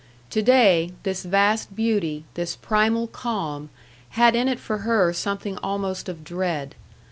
To day, this vast beauty, this primal calm, had in it for her something almost of dread.